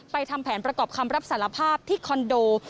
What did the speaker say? ทำแผนประกอบคำรับสารภาพที่คอนโด